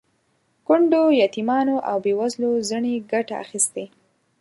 کونډو، یتیمانو او بې وزلو ځنې ګټه اخیستې.